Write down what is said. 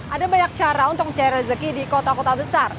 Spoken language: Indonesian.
ada banyak cara untuk mencari rezeki di kota kota besar